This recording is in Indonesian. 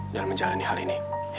dan menjalani hal ini